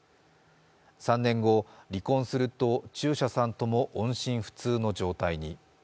３年後、離婚すると中車さんとも音信不通の状態に。